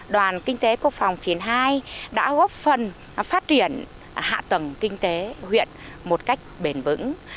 đoàn kinh tế quốc phòng chín mươi hai đã góp phần phát triển hạ tầng kinh tế huyện một cách bền vững